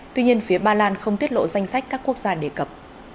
tuy nhiên phía ba lan không tiết lộ danh sách các quốc gia đề cập